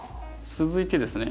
続いてですね。